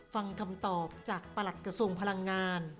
ฟังคำตอบจากประหลัดกระทรวงพลังงาน